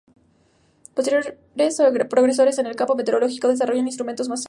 Posteriores progresos en el campo meteorológico desarrollan instrumentos más seguros.